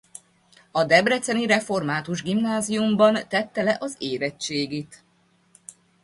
A debreceni Református Gimnáziumban tett le az érettségit.